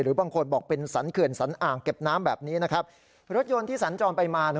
บางคนบอกเป็นสรรเขื่อนสันอ่างเก็บน้ำแบบนี้นะครับรถยนต์ที่สัญจรไปมา